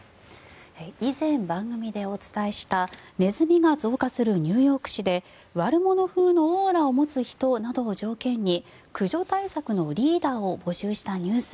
以前、番組でお伝えしたネズミが増加するニューヨーク市で悪者風のオーラを持つ人などを条件に駆除対策のリーダーを募集したニュース。